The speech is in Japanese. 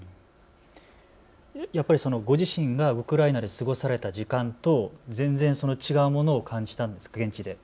やっぱり、ご自身がウクライナで過ごされた時間と全然違うものを感じたんですか、現地で。